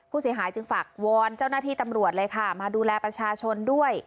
ผู้เสียหายจึงฝากวอนเจ้าหน้าที่ตำรวจเลยค่ะมาดูแลประชาชนด้วย